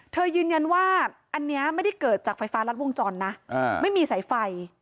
ยืนยันว่าอันนี้ไม่ได้เกิดจากไฟฟ้ารัดวงจรนะไม่มีสายไฟ